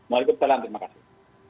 wa'alaikumussalam terima kasih